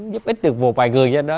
giúp ích được một vài người ra đó